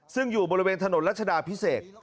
ซึ่งอยู่บริเวณถนนรัชดาพิเศษ